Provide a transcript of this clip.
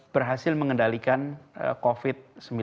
berhasil mengendalikan covid sembilan belas